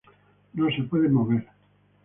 No se pueden mover.